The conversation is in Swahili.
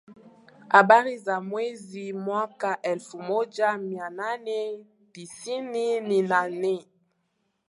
Habari za mwezi mwaka elfumoja mianane tisini Nina nne